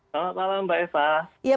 selamat malam mbak eva